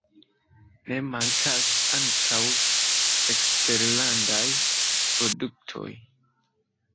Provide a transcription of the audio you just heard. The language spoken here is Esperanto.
Ne mankas ankaŭ eksterlandaj produktoj.